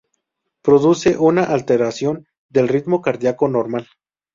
Produce una alteración del ritmo cardíaco normal.